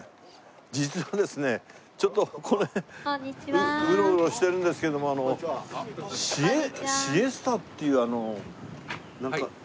実はですねちょっとこの辺うろうろしてるんですけどもシエスタっていうあの。